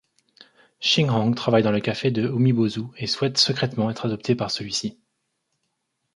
Xin-Hong travaille dans le café de Umibozu et souhaite secrètement être adopté par celui-ci.